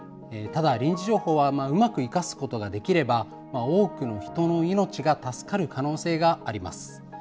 ただ、臨時情報はうまく生かすことができれば、多くの人の命が助かる可能性があります。